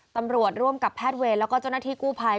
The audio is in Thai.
ตำรวจร่วมกับแพทย์เวรแล้วก็เจ้าหน้าที่กู้ภัย